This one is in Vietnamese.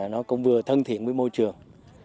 nó cũng vừa thân thiện với môi trường